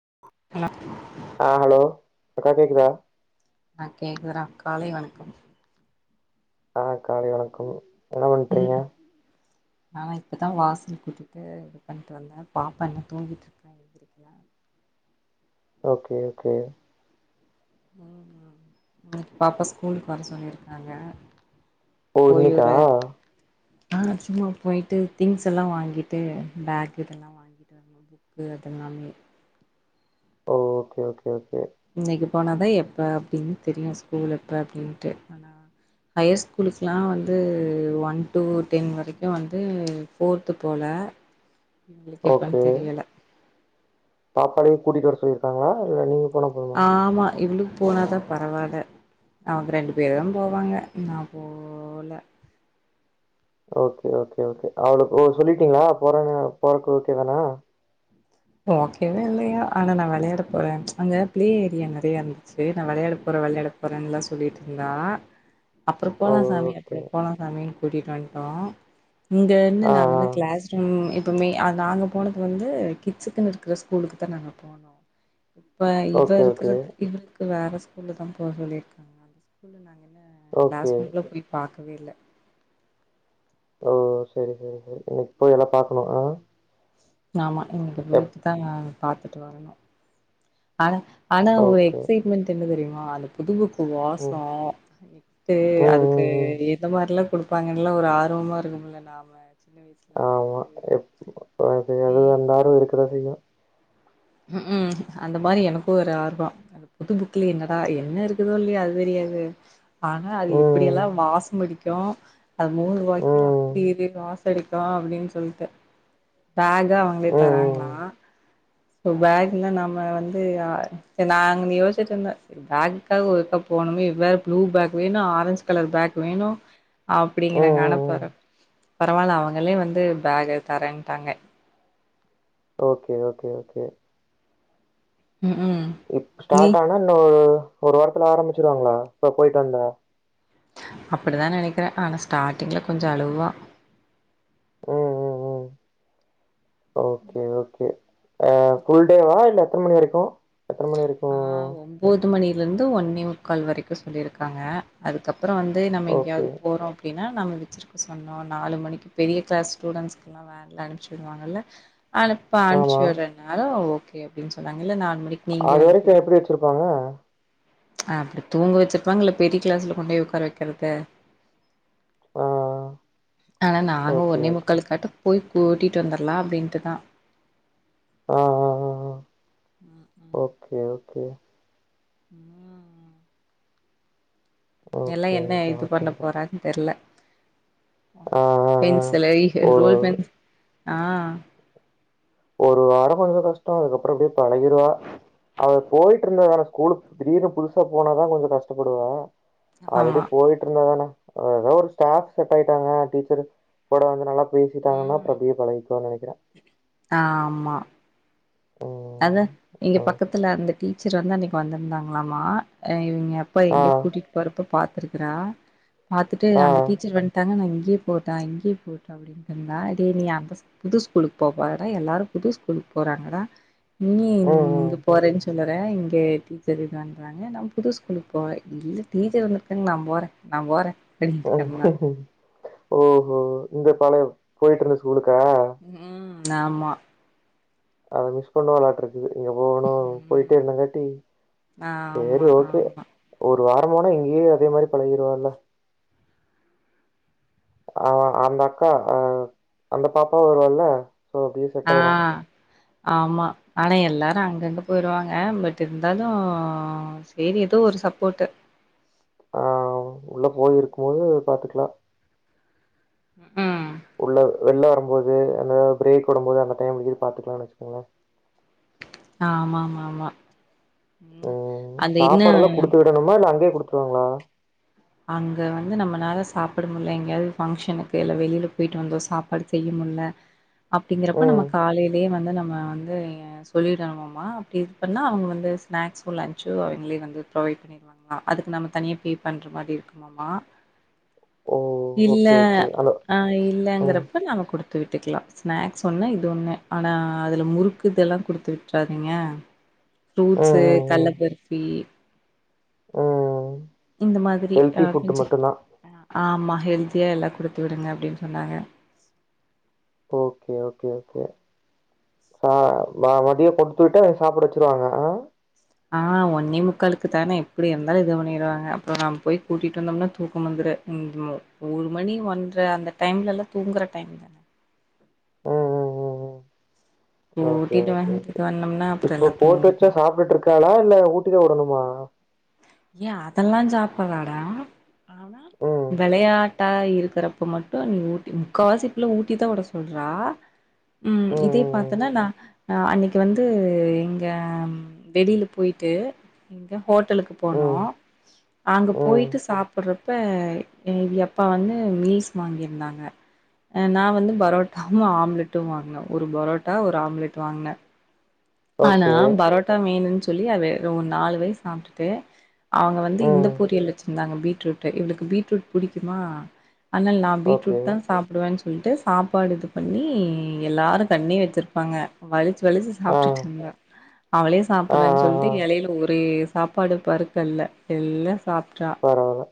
[inaudible] ஆ hello அக்கா கேக்குதா அ கேக்குதுடா காலை வணக்கம் ஆஹ் காலை வணக்கம் என்ன பண்ணறீங்க ம் நானா இப்பதான் வாசல் கூட்டிட்டு இது பண்ணிட்டு வந்தேன் பாப்பா இன்னு தூங்குது ஓகே ஓகே ம் இனக்கு பாப்பா ஸ்கூலுக்கு வர சொல்லிருக்காங்க பூர்ணிக்காஅ அ சும்மா போயிட்டு திங்ஸ் எல்லாம் வாங்கிட்டு பேக் இதெல்லாம் வாங்கிட்டு வரனூம் ஒ ஓகே கே ஒகே போனாதான் எப்போ அப்டின்னு தெரியும் ஸ்கூல் அப்டின்ட்டு ஆனால் ஹையர் ஸ்கூலுக்கெலாம் வந்து ஒன் டூ டென் வரைக்கும் வந்து ஃபோர்த்து போல எங்களுக்கு எப்பன்னு தெரியல பாப்பளையும் கூட்டிட்டு வர சொல்லிருக்காங்களா இல்ல நீங்க போனா போதுமா ஆமா இவ்ளக் போனாதான் பரவாயில்ல அவங்க ரெண்டு பேரும் போவாங்க நான் போல ஓகே ஓகே கே அவ்வுது ஓ சொல்லிட்டீங்களா போறாங்க பாக்க ஓக்கேதானா ஓகேவே இல்லையா ஆனா நான் விளையாட போறேன் அங்க பிளே ஏரியா நிறைய இருந்துச்சு நான் விளையாட போறேன் விளையாட போறேன்னு தான் சொல்லிட்டு இருந்தா அப்புறம் ஓ போலாம் சாமி ஓகே அப்புறம் போலாம் சாமி கூட்டிகிட்டு வந்ட்டோம் இங்கந்து ஆ ஆ நாங்கல்லாம் கிளாஸ் ரூம் இப்பவுமே அது நாங்க போனப்ப வந்து கிட்ஸ்க்குன்னு இருக்கிற ஸ்கூலுக்கு தான் நாங்கள் போனோம் இப்ப இவ ஓகே ஓகே இருக்கறிறது இவ வேற ஸ்கூல் ஸ்கூல்ல தான் போக சொல்லியிருக்காங்க அந்த ஸ்கூல்ல நாங்கதான் ஓகே கிளாஸ் ரூம்ல போய் பார் புரியல ஓ சரி சரி சரி நீ போய் இப்போ எல்லாம் பாக்கணும் ஆஹ் யாமா அங்கே போய்ட்டட்டு தான் பாத்துட்டு வரணும் ஆனா ஆனா ஒரு ஓகே எக்சைட்மெண்ட்னு தெரியும் ஆளு புது ம் வாசம் இட்டு ம் அதுக்கு ம் ம் எந்த மாரிலாம் கொடுப்பாங்கல்லா ஒரு ஆர்வமா இருக்கும்ல்ல நாம சின்ன வயசுலலா ஆமா வந்து எது வந்தாலும் சரிய உம் உம் அந்த மாரி எனக்கும் ஒரு ஆர்வம் புது புக்ல என்னடா என்ன இருக்குதோ இல்லையா அது தெரியாது ஆனா அது ம் ம் எப்படியெல்லாம் வாசும் அடிக்கும் நோ அது மூணு ரூ வா்கில ம் அப்படி இது லாஸ் அடிக்கலாம் அப்படின்னு சொல்லிட்டு பேக்கா அவங்களே ம் தராங்களாம் பேக்ன நம்ம வந்து நாங்க யோசச்சிட்டு இருந்தேன் பேக்க ஒருக்கா போகணுமே இவ்வேறு ப்ளூ பேக் வேணும் ஆரஞ்ச் கலர் பேக் வேணும் அப்படிங்கிறங்க ம் பரவாயில்ல அவங்களே வந்து பேக தரேன்ட்டாங்க ஓகே ஓகே ஓகே ம்ஹூம் இக் நீ ஸ்டார்ட் ஆனா இன்னு ஒரு ஒரு வாரத்துல ஆரம்மிச்சிருவாங்களா இப்ப போயட்டு வந்தா அப்படிதான் நெனைக்கிறேன் ஆனா ஸ்டார்ட்டிங்ல கொஞ்சம் அழுவா ஊம் உமுமமு ஓகே ஓகே ஃபுல்டேவா இல்ல எத்தன மணி வரைக்கும் ஆ ஒம்போது மணி இருந்து ஒன்னேமுக்கால் வரைக்கும் சொல்லியிருக்காங்க அதுக்கப் அப்பறம் வந்து நம்ம ஓகே எங்கயாவது போறோம் அப்டின்னா நம் விச்சிருக்க சொன்னோம் நாலு மணிக்கு பெரிய கிள ஸ்டுடன்ஸ் அனுச்சுவாங்கல அப்ப ஆமா அனுச்சுறனால ஓகே ஓகேன்னு சொன்னாங்க நாலு க்கு நீங்க வந்து இப்ப எப்டி வச்சிருகோம் ஆ ஹ அப்டி தூங்க வச்சிப்பாங்க பெரிய கிளாஸ்ல கொண்ட போய் உட்கார வைக்கறது ஆ ஆனா நாங்க ஓகே ஒன்னே ஓகே முக்காலுக்கட்டும் போய் கூட்டிட்டு வந்துடலாம் அப்டின்ட்டு தான் ஆ ஆ ஆ ம் ஓகே ஓ ம் ம் எல்லா என்ன ஓகேங்க்கா இது பண்ண ஓகேங்க்கா போறாங்னு தெரியல ஆ ஆ ஆ பென்சிலை ஒரு ரோல் பென் ஆ ஒரு வரம்மதா கஷ்டம் அதுக்கப்பறம் அப்டியே பழகிடுவா அவர் போயிட்டு இருந்த ஆனா ஸ்கூலு திடீர்னு புதுசா போனாதான் கொஞ்சம் கஷ்டப்படுவேன் ஆமா ஆல்ரெடி போயிட்டு இருந்த தானே ஏதோ ஒரு ஸ்டாப் செட் ஆயிட்டாங்க டீச்சர் கூட வந்து நல்லா பேசிட்டாங்கன்னா பிரபியை பழைக்கும்னு நினை அ ஆஹ் ஆமா ம். அதான் இங்க ம். பக்கத்துல அந்த டீச்சர் வந்து அன்னைக்கு வந்திருந்தாங்களாமா இவிங்க அப்பா ஆ. எங்கேயோ கூட்டிட்டு போறப்ப பாத்து இருக்கிறா பாத்துட்டு ஆ. அந்த டீச்சர் வந்துட்டாங்கனு இங்க இங்கேயே போட்டான் இங்கேயே போட்டான் அப்டின்னு சொன்னா அதே நீ அந்த புது ஸ்கூலுக்கு போப்போறடா எல்லாரும் புது ஸ்கூலுக்கு போறாங்கடா நீ ம். இங்கு போறேன்னு சொல்ல இங்க டீச்சர் இதுண்றாங்க நான புது ஸ்கூலுக்கு போன் இல்ல டீச்சர் வந்துருக்கங்க நான போறேன் நான போறேன் உஹம் ம் ஓஹோ இந்த பழைய போயிட்டு இருந்து ஸகூலுக்கா உம் ஆமா அது மிஸ் பண்ணுவலாட் இருக்கு இங்க போணும் ம் போயிட்டாம்ங்கட்டி சரி ஆமா ஓகே ஆமா ஒரு வாரம் போனா இங்கயு அதே மாரி பழகிருவால்ல ஆ அந்த அக்கா ஆ அந்த பாப்பாவு வருவால்ல அப்படியே செட் ஆ ஆயிடும் ஆமா ஆனா எல்லாரும் அங்கங்க போயிருவாங்க பட் இருந்தாலும் சரி ஏதோ ஒரு சப்போர்ட்ட் ஆஹ் உள்ள போயிருக்கும் போது பாத்துக்கலா உஹம் உள்ள வெள்ள வரும்போது இல்ல பிரேக் விடும் போது அந்த டைம் பாத்துக்கலாம்னு வச்சுக்கோங்களேன் ஆமாம்மாம்மா உம் சாப்பாடு எல்லாம் குடுத்து விடணுமா இல்ல அங்கேயே குடுத்துருவாங்களா அங்க வந்து நம்மளால சாப்பிட முடியல எங்கேயாவது பங்சனுக்கு இல்ல வெளியில போயிட்டு வந்தோம் சாப்பாடு செய்ய முடியல அப்படிங்கறப்ப நம்ம ம். காலையிலயே வந்து ன்னு நம்ம வந்து சொல்லிரணுமாமா அப்டி இது பண்ணா அவங்க வந்து ஸ்நாக்ஸு லன்ச்சு அவங்களே வந்து ப்ரொவைட் பண்ணிருவாங்களா அதுக்கு நம்ம தனியாக பே பண் மாதிரி இருக்குமாமா ஓ! இல்ல ஓகே ஓகே. அந்த ஆஹ் ம். இல்லங்கிறப்ப நாம கொடுத்த கொடுத்து விட்டுக்கலாம் ஸ்நாக்ஸ் ஒண்ணு இது ஒண்ணு ஆனா அதுல முறுக்கு இதெல்லாம் கொடுத்து விட்டுறாதீங்க ம் ப்ரூட்ஸு ம் ம். கடலபருப்பி ம். இந்த மாதிரி ஹெல்த்தி ஃபுட் கொஞ்சம் மட்டும் தான். ஆமா ஹெல்த் எல்லாம் கொடுத்து விடுங்க அப்படின்னு சொன்னாங்க ஓகே ஓகே ஓகே ஆஹ் ம மதியே கொடு த்து விட்டு சாப்பிட வச்சிருவாங்க ஆஹ் ஒண்ணே முக்காலுக்கு தானே எப்டி இருந்தாலு இது பண்ணிடுவாங்க அப்றோ நம் போய் கூட்டிட்டு வந்தோம்னா தூக்க வந்துரு ம் ஒரு மணி ஒன்ர அந்த டைம்ல எல்லா தூங்குற டைம்தான ம் ம் ம் ம். கூட்டிட்டு வாங்க இப்ப போட்டு வச்சா சாப்பிட்டு இருக்காளா இல்ல ஊட்டிதான் விடணுமா ஏன் அதெல்லாம் சாப்பறாடா ஆனா ம். விளையாட்டு இருக்கறப்ப மட்டும் நீ ஊட்டி முக்கால்வாசிள்ள ஊட்டிதா விட சொல்றா ம். இத ம். பா்த்தன்னா அன்னைக்கு வந்து வெளில போயிட்டு ஷக்ஷஹோட்டல் ம். போனோ ம். அங்க ம். போயிட்டு சாப்பிடுறப்ப இவிங்க அப்பா வந்து மீல்ஸ் வாங்கிருந்தாங்க ஆ நா வந்து பரோட்டாவு ஆம்லெட்டு வாங்குனே ஒரு பரோட்டா ஒரு ஆம்லெட் வாங்குனே ஆனா ஓகே. பரோட்டா மீன்னு சொல்லி அவ நாலு வயசு சாப்பிட்டுட்டு அவங்க வந்து இந்த ம். பொரியல் வச்சிருந்தாங்க பீட்ரூட்டு இவளுக்கு பீட்ரூட் புடிக்குமா ஆனா நான் பீட்ரூட ஓகே. தான் சாப்பிடுவேன்னு சொல்லிட்டு சாப்பாடு இது பண்ணி எல்லாரும் தண்ணி வச்சிருப்பாங்க வலிச்சு வலிச்சு ஆ. ட்டு இருந்தே அவளே ஆ. சாப்பிடுறேன்னு ஆ. ஆ. சொல்லிட்டு இலயில ஒரே சாப்பாடு பருக்கல்ல எல்லா சாப்புரா பரவால்ல.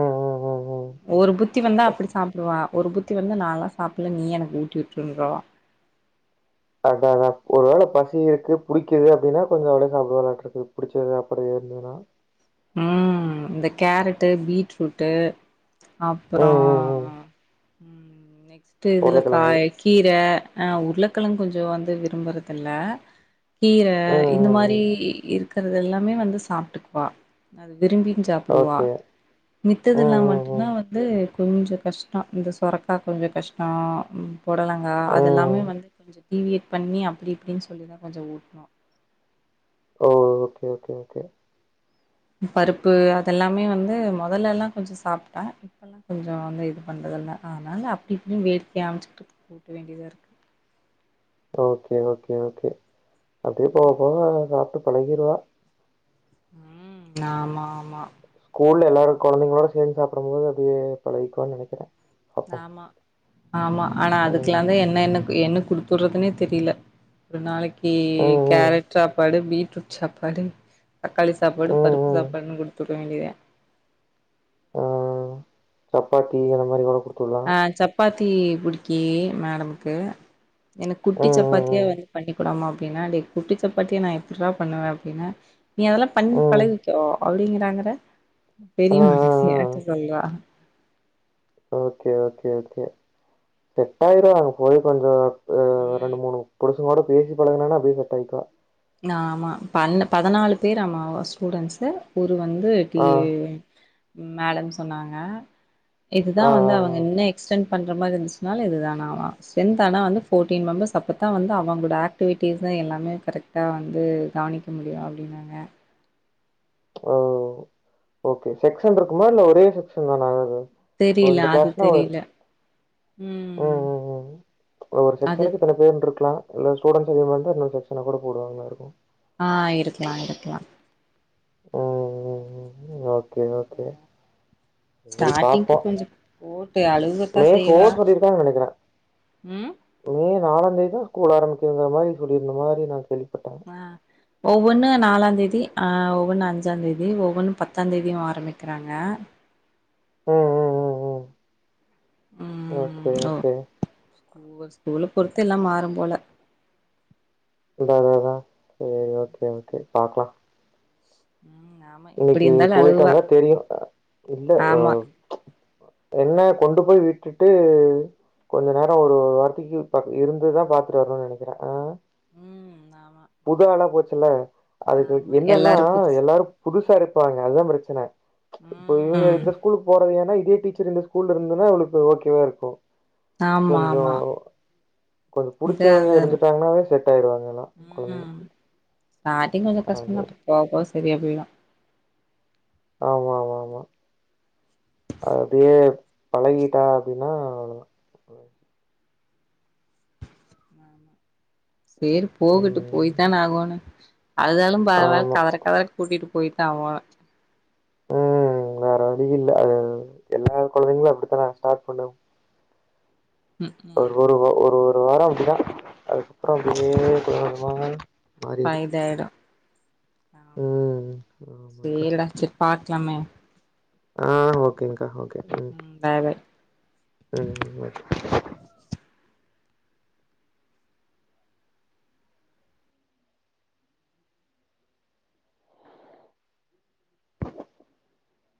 ம். ம். ம். ம். ஒரு புத்தி வந்தா அப்டி சாப்பிடுவா ஒரு புத்தி வந்து நானலா சாப்பிடல நீயே எனக்கு ஊட்டி விட்ரு அதான் அதான் ஒரு வேளை பசி இருக்கு புடிக்குது அப்படின்னா கொஞ்சம் அவளே சாப்பிடு விளாட்டு இருக்கு புடிச்சது அப்படி ஏ இருந்ததுன்னா உம் இந்த கேரட்டு பீட்ரூட்டு் ம். அப்புறம் ம். ம். உம் ஸ்டு இததுல உருளைக்கிழங்கு. காய் கீரை ஆஹ் உருளகிழங்கு கொஞ்சம் வந்து விரும்புறது இல்ல கீர ம். இந்த ம். மாதிரி ம். இருக்கு இது எல்லாமே வந்து சாப்பிட்டுக்குவா அது விரும்மீன் சாப்பிடுவா ஓகே. ம். மித்ததுெல்லாம் ம். ம். மட்டும்தான் வந்து கொஞ்சம் கஷ்டம் இந்த சொரக்கா கொஞ்சம் கஷ்டம் புடலங்கா அததுெல்லாமே ம். வந்து கொஞ்சம் டிவியேட் பண்ணி அப்படி இப்படின்னு சொல்லிதான் கொஞ்சம் ஊட்டணும் ஓ! ஓகே ஓகே ஓகே பருப்பு அதெல்லாமே வந்து முதல்ல எல்லாம் கொஞ்சம் சாப்பிடா இப்பல்லாம் கொஞ்சம் வந்து இது பண்றத இல்லலை அதனால அப்படி இப்படியும் வேடிக்க அமைச்சுக்கிட்டுக்கு உட்ட வேண்டியதா இருக்கு ஓகே ஓகே ஓகே அதே போகபோக சாப்டு பழகிறவா உம் ஆமா ஆமா ஊர்ல எல்லாரும் குழந்தைங்களோ சேர்ந்து சாப்பிட போது அப்படியே பழகிக்குவானு நினைக்கிறேன் ஆமா ஆமா ஆனா அதுக்கெல்லாம் ம் தான் என்னன என்ன குடுது சொடுறதுனே தெரியல ஒரு நாளைக்கு இ ம் ம் கேரட் சாப்பாடு பீட் ஜூட சாப்பாடு தக்காளி சாப்பாடு ம் பருப்பு ம் சாப்பாடுன்னு கொடுத்துடு வேண்டியதுதா ஆஹ் சப்பாத்தி அ மாதிரி கூட குடு ஆஹ் சப்பாத்தி பத்தி பிடிக்கி மேடமுக்கு எனக்கு குட்டி ம் சப்பாத்தியா ம் ம் வந்து பண்ணி ஆமா பின்னாடி குட்டி சப்பாத்தி நான் எப்புர பண்ணுவேன் அப்படின்னா நீ அதெல்லாம் பண்ணி ம் பழகிக்கோ அப்படிங்கிறாங்கிற டா பெரிய ஆ ஆ ஆ மனிசியாட்டம் சொல்வா ஓகே ஓகே ஓகே செட்டயிரும் அங்க போய் கொஞ்சம் ம் ரெண்டு மூணு புடிச் னோட பேசி பழங்கனன்னா அப்டியே செட் ஆயக்கா ஆ ஆமா பதினாலு பேர் ஆமா ஸ்டூடெண்ட்ஸ் வந்து ஆ டீயே மேடம் சொன்னாங்க ஆ இதுதான் வந்து ஆ அவங்க என்ன எக்ஸ்டென் பண்ற மாரி இருந்துச்சன நாலு இது தான ஸ்டேன்த் ஆனா வந்து போடீன் மெம்பர்ஸ் அப்போ தான் வந்து அவுங்களோட ஆக்டிவிட்டஸ்ஸ எல்லாமே கரெக்ட் வந்து கவனிக்க முடியும் அப்டின்னாங்க ஆ ஓ ஓகே செக்ஷன் இருக்குமா இல்ல ஒரே செக்ஷன் தான ஆகது தெரில இந்த அது கிளாஸ் ஒரு தெரில ம் ம் ஒரு அது செக்ஷனுக்கு இத்தன பேர் இருக்கலாம் இல்ல ஸ்டூடண்ட்ஸ்க்கு வந்து இன்னொரு செக்ஷா கூட போவாங்களா இருக்கும் ஹா இருக்கலாம்-இருக்கலாம் ம் ம் ம் ஓ கே ஓகே பாப்போம் ஒரு மே போர் சொல்லிருக்கானு நனக்கிறேன் ம் மே நாலா தேதி தான் ஸ்கூல் ஆரம்பிக்கிற மாரி சொல்லிருந்த மாரி நான் கேவி ஹா ஒவ்வொன்னு நாலா தேதி ஹா ஒவ்வொன்னு அஞ்சா தேதி ஒவ்வொன்னு பத்தா தேதியும் ஆரம்பிக்கிறாங்க ம் ம் ம் ம் ம் ஓகே ஓ ஓகே ஸ்கூ ஸ்கூல பொறுத்து எல்லாம் மாறும் போல அதான் அதான் செரி ஓகே ஓகே பாக்கலாம் ம் ஆமா எப்டி இன்னைக்கி இருந்தாலு அழுவா போயிட்னா தெரியும் இல்ல ஆமா என்ன கொண்டு போய் விட்டுட்டு கொஞ்ச நேரம் ஒரு வாரததிக்கு இருந்துதான் பாத்துட்டு வரணும்னு நனக்கிறேன் ஹா ம் ஆமா புது ஆலா போச் இல்ல அதுக்கு ஆமா என்னன்னா எல்லாரு புதுசு எல்லாரும் புதுசா இருப்பாங்க அதுதான் பிரச்சனை இப்ப இவுங்க ம் இந்த ஸ்கூலுக்கு போறது ஏன்னா இதே டீச்சர் இந்த ஸ்கூல்ல இருந்துனா அவுளுக்கு ஓகே வா இருக்கும் ஆமா ஆமா கொஞ்சம் கொஞ்சம் இத புடிச்சவங்க அதுனு இருந்துட்டாங்கன்னாவே செட் ஆயிருவாங்க எல்லாம் கெழந்தங்க ம் ஸ்டார்டிங் கொஞ்ச கஷ்டம இருக்கும் போக போக செரியா போயிடும் ஆமா ஆமா ஆமா அப்டியே பழகிட்டா அப்டின்னா செரி போகட்டும் போயி ம் தான ஆகனும் அழுதாலும் பரவால்ல ஆமா கதர கதர கூட்டிடு போயிட்டா ஆவ ம் வேற வலி இல்ல அது எல்லா கெழந்தைங்களும் அப்டித்தானே ஸ்டார்ட் பண்ணேம் ம் ம் ஒரு ஒரு ஒரு ஒரு வாரம் அப்டிதான் அதுக்கப்புறம் வி ஆமா ஆ ப இதாயிடும் ஆமா ம் ஆமாங்க்கா செரிடா செரி பார் நமய ஆஹ் ஓகேன்கா ஓகே உம் ம் பாய் பாய் உம்